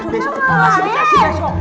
besok dikasih besok